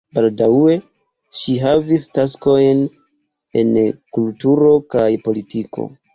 Baldaŭe ŝi havis taskojn en kulturo kaj politiko.